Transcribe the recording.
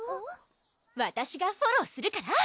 わたしがフォローするから！